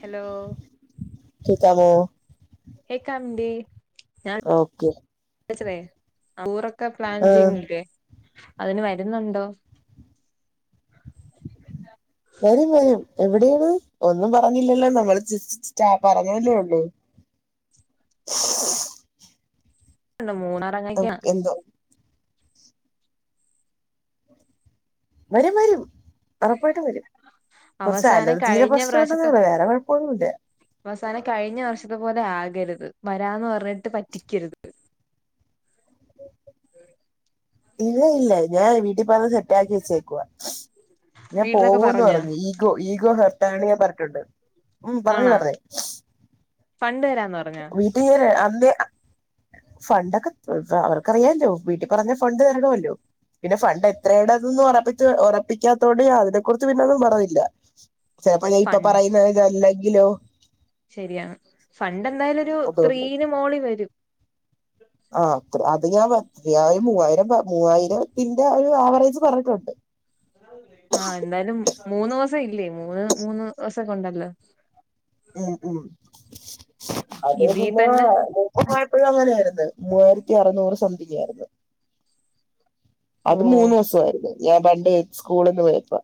Hello കേക്കാമോ ഏക്കമ്ണ്ടെ okay ച്ചതെ ടൂറൊക്കെ പ്ലാൻ ആ ചെയ്യുന്നില്ലേ അതിന് വരുന്നുണ്ടോ. വരും വരും എവിടെയാണ് ഒന്നും പറഞ്ഞില്ലല്ലോ നമ്മൾ ച്ച് ചെ ച്ച് പറഞ്ഞതല്ലേ ഒള്ളൂ. [unintelligible] ഒക്കെ എന്തോ. വരും വരും ഉറപ്പായിട്ട് വരും. കുറച്ച് അവസാനം അലർജിടെ കഴിഞ്ഞ പ്രശ്നം ഉണ്ടെന്ന് പ്രാവശ്യത്തെ ഉള്ളു. വേറെ കുഴപ്പൊന്നുല്ല. അവസാനം കഴിഞ്ഞ വർഷത്തെ പോലെ ആകരുത് വരാന്ന് പറഞ്ഞിട്ട് പറ്റിക്കരുത്. ഇല്ല ഇല്ല ഞാൻ വീട്ടിപ്പറഞ്ഞ് സെറ്റ് ആക്കി വച്ചേക്കുവാ. ഞാൻ വീട്ടിലൊക്കെ പോവൂന്ന് പറഞ്ഞോ പറഞ്ഞ് ഈഗോ ഈഗോ ഹെർട്ടാണ്ട് ഞാൻ പറഞ്ഞിട്ടുണ്ട് ഉ പറഞ്ഞ് ആണാ പറഞ്ഞ്. ഫണ്ട് തരാന്ന് പറഞ്ഞ. വീട്ടിന് അന്ന്. ഫണ്ടൊക്കെ അവർക്കറിയല്ലോ വീട്ടിൽ പറഞ്ഞാ ഫണ്ട് തരണല്ലോ. പിന്നെ ഫണ്ട് എത്രട ഇത് ഉറപ്പി ഉറപ്പിക്കാത്തോട് അതിനെ കുറിച്ച് പിന്നൊന്നും പറഞ്ഞില്ല. ചെലപ്പ ഞാൻ ഇപ്പ ഫൺ പറയുന്നതല്ലെങ്കിലോ. ശരിയാണ് ഫണ്ട് എന്തായാലും ഒരു അതുകൊണ്ട് ത്രീന് മോളി വരും. ആ അത്ര അത് ഞാൻ അത്രയ മൂവായിരം മൂവായിരത്തിന്റെ ഒരു ആവറേജ് പറഞ്ഞിട്ടുണ്ട്. ആ എന്തായാലും മൂന്ന് ദിവസം ഇല്ലേ മൂന്ന് മൂന്ന് ദിവസൊക്കെണ്ടല്ലോ. ഉം ഉ അത് ഇതീ പിന്നെ. തന്നെ പോയപ്പോഴും അങ്ങനെയായിരുന്നു. മൂവായിരത്തി അറുനൂറ് സംതിങ്ങ് ആയിരുന്നു. അത് ഓ മൂന്നൂ സായിരുന്നു. ഞാൻ പണ്ട് സ്കൂളിൽ നിന്ന് പോയപ്പോ.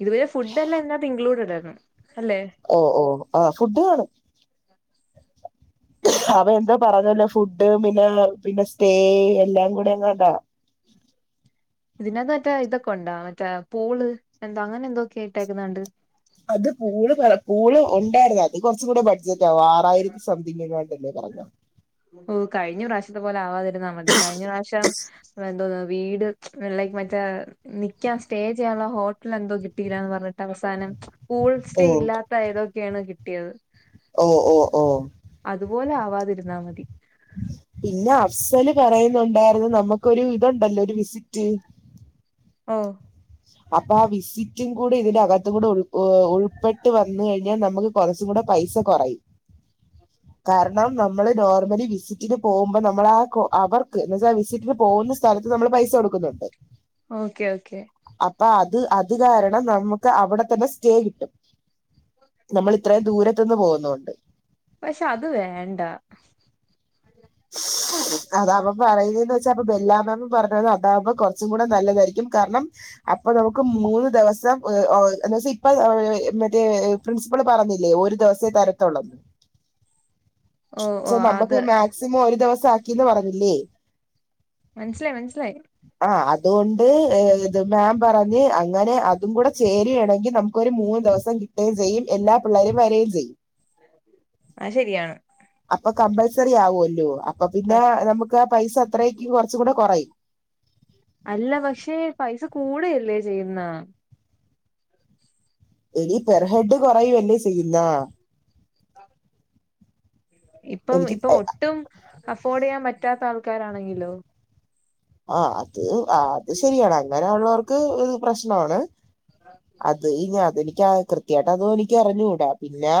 ഇതുപോലെ ഫുഡ് എല്ലാം ഇതിനകത്ത് ഇൻക്ലൂഡഡ്ആയിരുന്നു അല്ലെ. ഓ ഓ ആഹ് ഫുഡ് കാണും. അവ എന്താ പറഞ്ഞല്ലോ ഫുഡ് പിന്നെ പിന്നെ സ്റ്റേ എല്ലാം കൂടി അങ്ങണ്ടാ ഇതിനകത്ത് മറ്റേ ഇതൊക്കെ ഉണ്ടാ മറ്റേ പൂള് എന്തോ അങ്ങനെ എന്തോക്കെയായിട്ടെക്കണ കണ്ട്. അത് പൂള് പൂള് ഉണ്ടായിരുന്നു. അത് കുറച്ച് കൂടെബ ടജറ്റാവും ആറായിരത്തി സംതിങ് എങ്ങാണ്ടന്നെ പറഞ്ഞോ. ഓ കഴിഞ്ഞ പ്രാവശ്യത്തെ പോലെ ആവാതിരുന്നാൽ മതി കഴിഞ്ഞ പ്രാവശ്യം എന്തോന്ന് വീട്. ലൈക്ക് മറ്റേ നിക്കാൻ സ്റ്റേ ചെയ്യാനുള്ള ഹോട്ടൽ എന്തോ കിട്ടിയില്ലന്ന് പറഞ്ഞിട്ട് അവസാനം. പൂൾ ഓ സ്റ്റേ ഇല്ലാത്ത ഏതൊക്കെയാണ് കിട്ടിയത് ഓ ഓ ഓ അതുപോലേ ആവാതിരുന്നാ മതി പിന്നെ അഫ്സല് പറയുന്നുണ്ടായിരുന്നു നമുക്കൊരു ഇതുണ്ടല്ലോ ഒരു വിസിറ്റ് ഓ അപ്പൊ ആ വിസിറ്റും കൂടി ഇതിന്റെ അകത്തും കൂടെ ഉൾപ്പെട്ട് വന്നു കഴിഞ്ഞാൽ നമുക്ക് കൊറച്ചും കൂടെ പൈസ കൊറയും കാരണം നമ്മള് നോർമലി വിസിറ്റിന് പോവുമ്പോ നമ്മൾ ആ അവർക്ക് എന്നാച്ചാ സിറ്റിന് പോകുന്ന സ്ഥലത്ത് നമ്മൾ പൈസ കൊടുക്കുന്നുണ്ട് ഓക്കെ ഓക്കെ അപ്പൊ അത് അത് കാരണം നമുക്ക് അവിടെ തന്നെ സ്റ്റേ കിട്ടും നമ്മള് ത്രേം ദൂരത്ത്ന്ന് പോകുന്നോണ്ട് പക്ഷെ അത് വേണ്ട അതാ പറയുന്നതന്ന് വെച്ചാ അപ്പൊ ബെല്ലാ മാമ് പറഞ്ഞത് അതാകുമ്പ കൊറച്ചും കൂടെ നല്ലതായിരിക്കും കാര്ണം അപ്പൊ നമുക്ക് മൂന്ന് ദെവസം എന്താച്ച ഇപ്പൊ അഹ് മറ്റേ പ്രിൻസിപ്പള് പറഞ്ഞില്ലേ ഒരു ദെവസേ തരത്തൊള്ളന്ന് ഓ ഓ ക്ഷേ നമ്മക്ക് അത് മാക്സിമം ഒരു ദെവസം ആക്കീന്ന് പറഞ്ഞില്ലേ മൻസ്സിലായി മൻസ്സിലായി ആഹ് അതുകൊണ്ട് ഏഹ് ഇത് മേം പറഞ്ഞ്. അങ്ങനെ അതും കൂടെ ചേര് ആണെങ്കി നമുക്കൊരു മൂന്ന് ദെവസം കിട്ടെ ചെയ്യും. എല്ലാ പിള്ളേരും വരെ ഉം ചെയ്യും അഹ് ശെരിയാണ് അപ്പൊ കമ്പൽസെറി ആവോല്ലോ. അപ്പൊ പിന്നെ നമുക്കാ പൈസ അത്രേക്കും കൊറ്ച്ചും കൂടെ കൊറയും അല്ല പക്ഷെ പൈസ കൂടെ അല്ലേ ചെയ്യുന്നെ എടീ പെർഹെഡ് കൊറയുവല്ലേ ചെയ്യുന്ന ഇപ്പം എനിക്ക് ഇപ്പൊ ഒട്ടും അഫോർഡെയ്യാൻ പറ്റാത്ത ആൾക്കാരാണെങ്കിലോ ആഹ് അത് ആഹ് അത് ശരിയാണ്. അങ്ങനെ ഉള്ളോർക്ക് ഒരു പ്രശ്ന്വാണ് അത് ഇ അത് എനിക്ക് കൃത്യായിട്ട് അതും എനിക്കറിഞ്ഞൂ പിന്നെ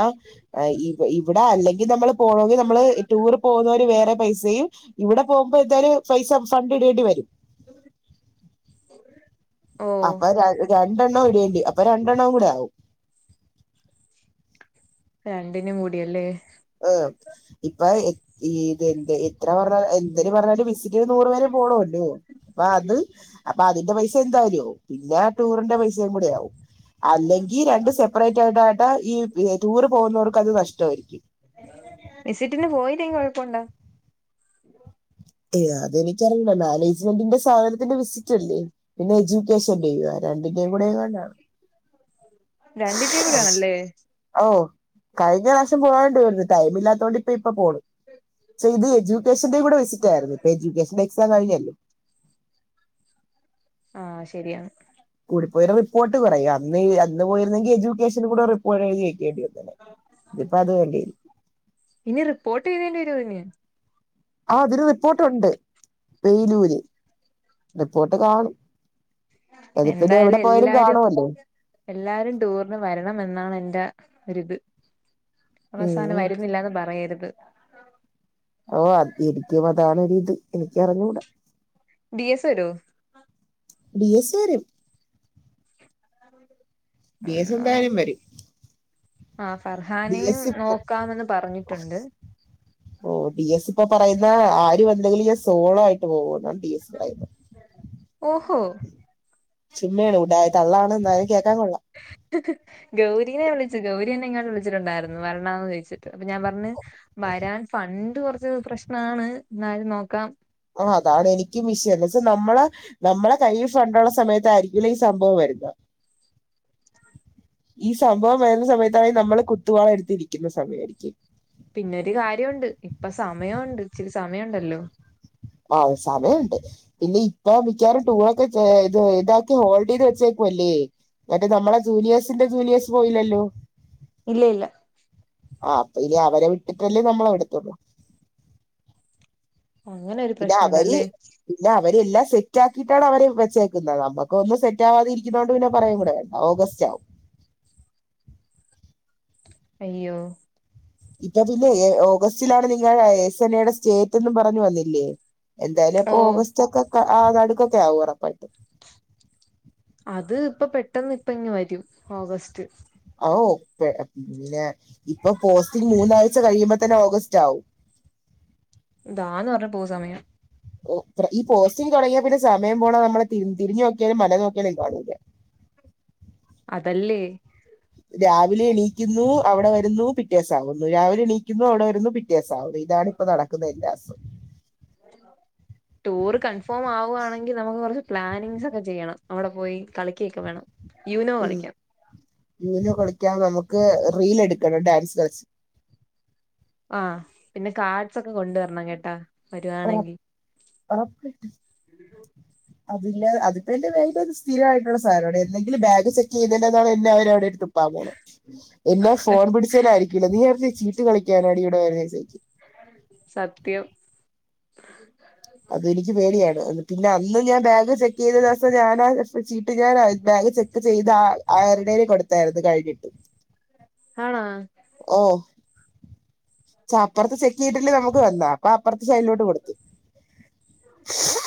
ഇവടെ അല്ലെങ്കി നമ്മള് പോണോങ്കി നമ്മള് ടൂർ പോകുന്നവര് വേറെ പൈസയും ഇവിടെ പോകുമ്പോ എന്തായാലും പൈസ ഫണ്ട് ഇടേണ്ടി വരും ഓ അപ്പൊ രണ്ടെണ്ണം ഇടിയേണ്ടി അപ്പൊ രണ്ടെണ്ണംവും കൂടെ ആവും രണ്ടിനും കൂടിയല്ലേ ആഹ് ഇപ്പ ഈത് എന്റെ [unintelligible] ഇത്ര പറഞ്ഞ എന്തിന് പറഞ്ഞാലും വിസിറ്റിന് നൂറ് പേരെ പോണോ അല്ലേ അപ്പൊ അത് അപ്പൊ അതിന്റെ പൈസ എന്തായാലാവും. പിന്നെ ആ ടൂറിന്റെ പൈസയും കൂടി യാവും അല്ലെങ്കി രണ്ട് സെപ്പ്റേറ്റ് ആയിട്ടായിട്ടാ ഈ ടൂറ് പോകുന്നവർക്ക് അത് നഷ്ട വായിരിക്കും വിസിറ്റിങ്ങിന്ന് പോയില്ലെങ്കി കൊഴപ്പൊണ്ടോ ഏ അതെനിക്കറിയില്ല. മാനേജ്മെന്റിന്റെ സ [unintelligible] ത്തിന്റെ വിസിറ്റ് അല്ലേ പിന്നെ എജ്യുക്കേഷൻ ഡേയുവാ രണ്ടിന്റെേയും കൂടേങ്ങാണ്ടാണ് രണ്ടിന്റെയും കൂടി ആണല്ലേ ഓഹ് കഴിഞ്ഞ പ്രാവശ്യം പോവണ്ടിയിരുന്നു. ടൈമില്ലാത്തോണ്ട് പ്പൊ ഇപ്പ പോണ് പക്ഷേ ഇത് എജ്യുക്കേഷന്റെ കൂടെ വിസിറ്റ് ആയിരുന്നു. ഇപ്പ എജ്യുക്കേഷന്റെ എക്സാം കഴിഞ്ഞെല്ലേ ആഹ് ശെരിയാണ് കൂടിപ്പോയൊരു റിപ്പോർട്ട് പറയ. അന്ന് അന്ന് പോയിരുന്നെങ്കി യജു ക്കേഷനും കൂടി റിപ്പോർട്ട്‌ എഴുതി വക്കേണ്ടി വന്നേനെ ഇതിപ്പത് വേണ്ട ഇഞ്ഞ് റിപ്പോർട്ട് എഴ്തേണ്ടി വരു [unintelligible] ആഹ് ഇതിന് റിപ്പോർട്ട് ഉണ്ട് പെയിനൂര് റിപ്പോർട്ട് കാണും അത് പിന്നെ എവിടെ എന്തായാലും പോയാലും എല്ലാരും കാണ്വാല്ലോ എല്ലാരും ടൂറിന് വരണം എന്നാണ് എന്റെ ഒര്ത് അവസാനം ഉം വരുന്നില്ല എന്ന് പറയര്ത് ഓ എരിക്കും അതാണരിത് എനിക്ക് അറിഞ്ഞൂടാ. ഡി എസ് വരോ ബി എസ് വരും [unintelligible] ബി എസ് എന്താലും വരും ആ ഡി ഫർഹാനെയും എസ് ഇപ്പ നോക്കാമെന്ന് പറഞ്ഞിട്ടുണ്ട് ഓ ഡി എസ് ഇപ്പ പറയുന്ന് ആരു കൊണ്ടോയില്ലെങ്കി ഞാൻ സോളോ ആയിട്ട് പോവൊന്ന് ഓഹോ ചുമ്മയാണ് ഉടായ തള്ളാണ് എന്താലും കേക്കാൻ കൊള്ള. ഗൗരിനെ വിളിച്ചു. ഗൗരി എന്നെ ഇങ്ങാട്ട് വിളിച്ചിട്ടുണ്ടായിര്ന്നു. വര്ണൊ എന്ന് ചോയ്ച്ചിട്ട്. അപ്പൊ ഞാൻ പറ്ഞ്ഞ് വരാൻ ഫണ്ട് കൊറ്ച്ച് പ്രശ്നാണ്. ഇന്നാലും നോക്കാം ഓഹ് അതാണ് എനിക്കും വിഷ്യം എന്തച്ച നമ്മള് നമ്മളെ കൈയി ഫണ്ടുള്ള സമയത്തായിരിക്കില്ല ഈ സംഭവം വെരുന്ന ഈ സംഭവം വരുന്ന സമയത്താണെങ്കിൽ നമ്മള് കുത്തുവാള എടുത്തിരിക്കുന്ന സമയായിരിക്കും പിന്നൊരു കാര്യ ഉണ്ട് ഇപ്പ സമയ ഉണ്ട് ഇച്ചിരി സമയണ്ടല്ലോ ആ സമയംഉണ്ട്. ഇല്ല ഇപ്പൊ മിക്കാറ് ടൂർ ഒക്കെ ഇത് ഇതാക്കി ഹോൾഡ ചെയത് വച്ചേക്കുല്ലേ മറ്റേ നമ്മെ ജൂനിയേഴ്സിന്റെ ജൂനിയേഴ്സ് പോയില്ലല്ലോ ഇല്ല ഇല്ല ആ അപ്പൊ ഇനി അവരെ വിട്ടിട്ടല്ലേ നമ്മളെവിടുത്തള്ളൂ അങ്ങനെ ഒരു പിന്നാ അ വര് പ്രശ്നമുണ്ടല്ലേ പിന്നെ അവരെല്ലാം സെറ്റ ആക്കിയിട്ടാണ് അവരെ വെച്ചേക്കുന്നത് നമ്മുക്ക ഒന്നും സെറ്റ് വാതെരിക്കുന്ന കൊണ്ട് പിന്നെ പറയാൻകുഡ ഓഗസ്റ്റ് ആവും. അയ്യോ ഓഗസ്റ്റിലാണ് നിങ്ങ എസ് എൻ എയുടെ സ്റ്റേറ്റ്റും പറഞ്ഞു വന്നില്ലേ എന്തായാലും ഓ ഇപ്പൊ ഓഗസ്റ്റ് ഒക്കെ ആ നടുക്കൊക്കെ ആകും ഉറപ്പായിട്ട് അത് ഇപ്പ പെട്ടന്ന് ഇപ്പ ഇങ് വരും ഓഗസ്റ്റ് ഓ പിന്നെ ഇപ്പൊ പോസ്റ്റിംഗ മൂന്നാഴ്ച കഴിയുമ്പോ തന്നെ ഓഗസ്റ്റ് ആകും. ഇതാന്ന് പറഞ്ഞ പോക സമയം ഓ ഈ പോസ്റ്റിങ് തുടങ്ങിയാ പിന്നെ സമയം പോണ നമ്മ തിരിഞ്ഞു നോക്കിയാലും മല നോക്കിയാലും കാണുല്ല അതല്ലേ രാവിലെ എണീക്കുന്നു അവിടെ വരുന്നു പിറ്റേസ ആാവുന്നു രാവിലെ എണീക്കുന്നു അവിടെ വരുന്നു പിറ്റേസ ആാവുന്ന ഇതാണ് ഇപ്പ നടക്കുന്ന എല്ലാസും ടൂർ കൺഫേം ആവുകവാണെങ്കിൽ നമുക്ക് കുറച്ച് പ്ലാനിങ്സ് ഒക്കെ ചെയ്യണം. അവിടെ പോയി കളിക്കൊക്കെ വേണം. യുനോ പിന്നെ കളിക്കാം യൂനോ കളിക്കാ നമുക്ക് റീൽ എടുക്കണം ഡാൻസ് ക്ലാസ് ആഹ പിന്നെ കാർഡ്സ് ഒക്കെ കൊണ്ടുവരണം കേട്ടാ വരുവാണെങ്കിൽ അതില്ല അതിപ്പോ എന്റെ വേല് ഒരു സ്ഥിരമായിയിട്ടുള്ള സാധനംടെ എന്തെങ്കും ബാഗ ചെക്ക് ചെയ്യതിണ്ട എന്നാണ് എന്നെ അവരവിടെ ഇട്ടും എല്ലാ ഫോൺ പിടിച്ചന ആയിരിക്കില്ല നീ നേരത്തെ ചീട്ട് കളിക്കാന അടിയടെ വരുന്നചോദിക്കും. സത്യം [unintelligible] [inaudible] അത് എനിക്ക് പേടിയാണ് പിന്നെ അന്ന് ഞാൻ ബാഗ് ചെക്ക് ചെയ്ത ദിവസം ഞാാനാ ചീട്ട് ഞാൻ ബാഗ് ചെക്ക് ചെയ്ത് ആയിരണരെ കൊടുത്തായിരുന്നു കഴിഞ്ഞിട്ട് ആഹ് ഓ സപ്പറ ചെക്ക് ചെയ്തിട്ട് നമുക്ക് വന്നാ അപ്പ അപ്പുറത്തെ സൈലിലോട്ട്ടുത്തു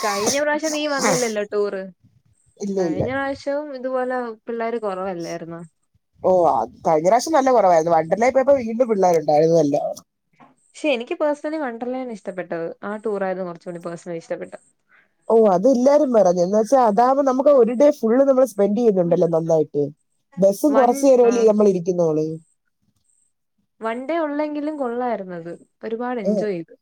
കഴിഞ്ഞ പ്രാവശ്യം നീ വന്നില്ലല്ലോ ടൂറ് ഇല്ല ഇല്ല കഴിഞ്ഞ പ്രാവ്ശവും ഇതുപോലെ പിള്ളേർ കുറവല്ലായിരുന്നോ ഓഹ കഴിഞ്ഞ പ്രാവശ്യം നല്ല കുറവായിരുന്നു വണ്ടർലേപ്പോ യപ്പോ വീണ്ടും പിള്ളേരു ഉണ്ടായിരുന്നു അല്ല പക്ഷെ എനിക്ക് പേഴ്സണലി വണ്ടർലോണ് ഇഷ്ടപ്പെട്ടത് ആ ടൂറായരുന്നു കുറച്ച് കൂടി പേഴ്സണലി ഇഷ്ടപ്പെട്ടത്. ഓ അത് എല്ലാരും പറഞ്ഞു എാ വച്ചാ അതാകുമ്പോ നമുക്ക് ഒരു ഡേ ഫള് നമ്മൾ സ്പെൻഡ് ചെയ്യുന്നുണ്ടല്ലോ നന്നായിട്ട് ബസ്സും വൺ കുറച്ചു ആ നേരലേ നമ്മള് ഇരിക്കുന്നോള് വൺ ഡേ ഉള്ളെങ്കിലും കൊള്ളായിരുനത് ഒരുപാട് എൻജോയ് ചെയ്ത്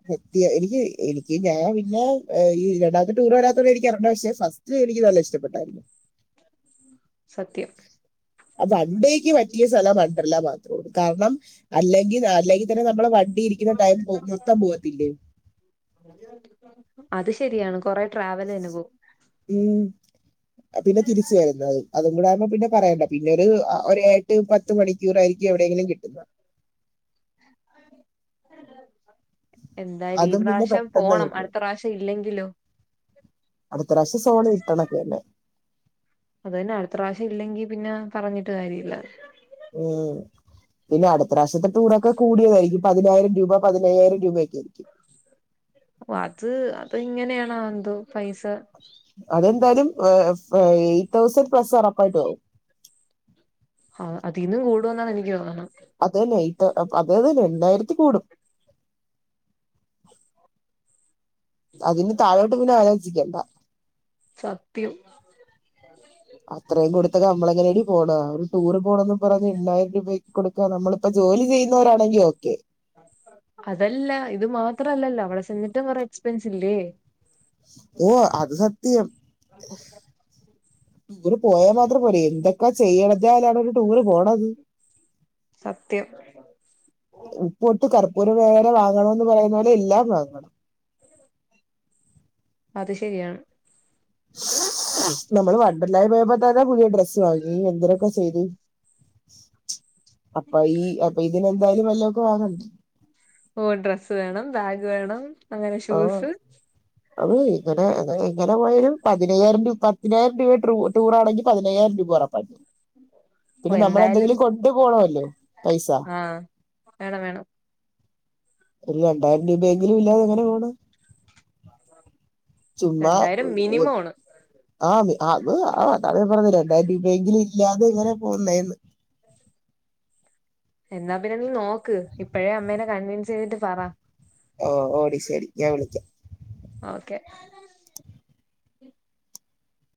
[unintelligible] [unintelligible] ത്യ എനിക്ക് എനിക്ക് ഞാൻ പിന്നെ [unintelligible] ഈ രണ്ടാമത്തെ ടൂർ വരാത്തോടെ എനിക്ക് അറണ്ട പക്ഷെേ ഫസ്റ്റ് എനിക്ക് നല്ല ഇഷ്ടപ്പെട്ടായിരുന്നു സത്യം അ വണ്ടേക്ക്റ്റ [unintelligible] പി സ്ഥലം കൊയ്പല്ല പറഞ്ഞു കാരണം അല്ലെങ്കിൽ അല്ലെങ്കിൽ തന്നെ നമ്മൾ വ ക ഇരിക്കുന്ന ടൈം നൊത്തം [unintelligible] പോകത്തില്ലേ ഡീ അത് ശരിയാണ് കൊറെ ട്രാവലന്നെ പോവും ഉം അതിന്നെ തിരിച്ച് വരുന്നത് അത് അതും കൂട ആയോ പിന്നെ പറയണ്ട പിന്നീട് ഒരേ എട്ട് പത്ത് മണിക്കൂർ ആയിരിക്കും എവിടെയെങ്കിലും കിട്ടുന്നത് എന്തായും ഈ അതും പിന്നെ പ്രാവശ്യം പെട്ടെന്ന് അങ്ങ് പോണം പോകും അടുത്ത പ്രാവശ്യം ഇല്ലെങ്കിലും അടുത്ത പ്രാവശ്യ സോണി ഇട്ടണൊക്കെനെ അതന്നെ അടുത്തറാവശ്യം ഇല്ലെങ്കി പിന്നെ പറഞ്ഞിട്ട് കാര്യമല്ല ഉം പിന്നെ അടുത്ത പ്രാവശത്തെ [unintelligible] കൂടിയതായിരിക്കും പതിനായിരം രൂപ പതിനയ്യായിരം രൂപയൊക്കെ ഓ അത് അത് ഇങ്ങനെയാണോ എന്തോ പൈസ അതെന്തായാലും ഏ എയ്റ്റ് തൗസൻഡ് പ്ലസ് ഉറപ്പായിട്ട് ആകും ആ അതീന്നും കൂടുന്നാണ് എനിക്ക് തോന്നുന്നത് അതന്നെ ഇത് അതേ അത്തന്നെ രണ്ടായിരത്തി കൂടും അതിന് താഴോട്ട് പിന്നെ ആലോജിക്കേണ്ട സത്യം അത്രയും കൊടുത്തൊക്കെ നമ്മളങ്ങനേടി പോണ് ഒരു ടൂറ് പോണംന്ന് പറഞ്ഞു എണ്ണായിരം രൂപക്ക് കൊടുക്ക നമ്മളിപ്പോ ജോലി ചെയ്യുന്നവരാണെങ്കിൽ ഓക്കെ അതല്ല ഇത് മാത്രല്ലല്ലോ അവളെ ചെന്നിട്ട് കുറ എക്സ്പെൻസ്ലില്ലേ ഓ അത് സത്യം ടൂറ് പോയാൽ മാത്രം പോരൈ എന്തൊക്കെ ചെയ്യണചിലാ ടൂർ പോണോ [inaudible] ഉപ്പൊട്ട് കർപ്പൂരം വെരെ വാങ്ങണംന്ന് പറയുന്നപോലെ എല്ലാം വാങ്ങണം അത് ശരിയാ നമ്മള് വണ്ടർലായ് പോയപ്പോ തന്നെ പുതിയ ഡ്രസ്സ് വാങ്ങി എന്തിതിനൊക്കെ ചെയ്തു അപ്പൊ ഈ അപ്പൊ ഇതിനെന്തായാലും വല്ലൊവക്കെ വാങ്ങണ്ടേ ഓ ഡ്രസ്സ് വേണം ബാഗ് വേണം അങ്ങനെ ആ ഷൂസ് അത് ഇങ്ങനെ എങ്ങനെ പോയാലും പതിനായിരം രൂപി പതിനായിരം രൂപ ടൂർ ആണെങ്കിൽ പതിനയ്യായിരം രൂപ ഉറപ്പായിടു പിന്നെ ഓ എന്തായാലും നമ്മളെന്തെങ്കിലും കൊണ്ടു പോണലോ പൈസ ആഹ് വേണം വേണം ഒരു രണ്ടായിരം രൂപയെങ്കിലും ഇല്ലെതെങനെപോണ് ചുമ്മാ രണ്ടായിരം ഉ മിനിമം ആണ് ആ അത് ആ പറഞ്ഞു രണ്ടായിരം രൂപയെങ്കിലും ഇല്ലാതെ എങ്ങനെ പോവുന്നേ എന്നാ പിന്നെ നോക്ക് ഇപ്പഴേ അമ്മേനെ കൺവൈൻസ് ചെയ്തിട്ട് പറ ഓ ഓടി ശരി ഞാൻ വിളിക്കാം ഓക്കെ